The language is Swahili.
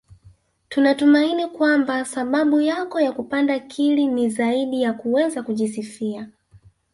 Tunatumaini kwamba sababu yako ya kupanda Kili ni zaidi ya kuweza kujisifia